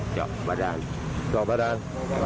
เจาะประดานอ๋อ